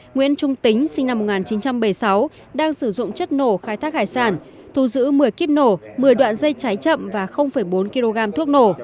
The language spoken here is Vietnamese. nguyễn trung tính sinh năm một nghìn chín trăm bảy mươi sáu đang sử dụng chất nổ khai thác hải sản thu giữ một mươi kíp nổ một mươi đoạn dây cháy chậm và bốn kg thuốc nổ